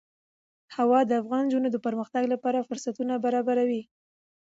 هوا د افغان نجونو د پرمختګ لپاره فرصتونه برابروي.